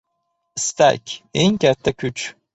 • Istak — eng katta kuch.